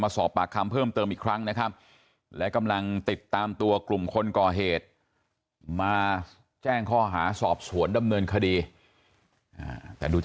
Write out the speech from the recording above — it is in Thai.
ทำไมไม่ไปกันที่อื่นอะไรอย่างนี้จุดนัดพบใช่จุดนัดพบ